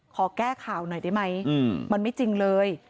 ขอแก้ข่าวหน่อยได้ไหมมันไม่จริงเลย